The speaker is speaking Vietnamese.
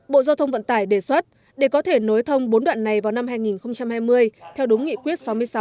bộ giao thông vận tải đề xuất để có thể nối thông bốn đoạn này vào năm hai nghìn hai mươi theo đúng nghị quyết sáu mươi sáu